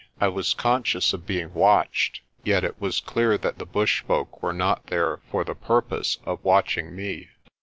I was conscious of being watched, yet it was clear that the bush folk were not there for the purpose of watching me.